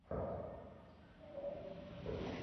তার হাতে তুমিও নিহত হতে পার।